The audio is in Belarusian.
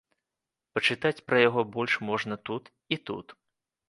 Пачытаць пра яго больш можна тут і тут.